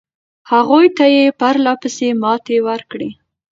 هغوی ته یې پرله پسې ماتې ورکړې.